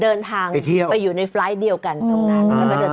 ใช่แต่คงจะเดินทางไปอยู่ในไฟล์ทเดียวกันตรงนั้น